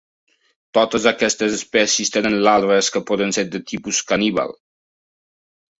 Totes aquestes espècies tenen larves que poden ser de tipus caníbal.